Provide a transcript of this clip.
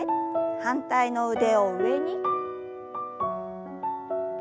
反対の腕を上に。